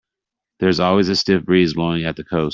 There's always a stiff breeze blowing at the coast.